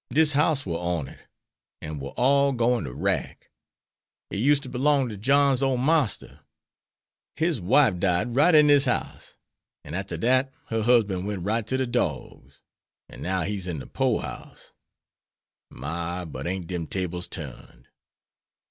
Dis house war on it, an' war all gwine to wrack. It used to belong to John's ole marster. His wife died right in dis house, an' arter dat her husband went right to de dorgs; an' now he's in de pore house. My! but ain't dem tables turned.